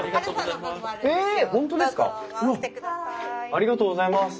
ありがとうございます。